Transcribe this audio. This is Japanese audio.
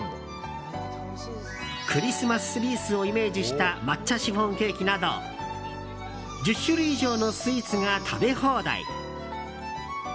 クリスマスリースをイメージした抹茶シフォンケーキなど１０種類以上のスイーツが食べ放題。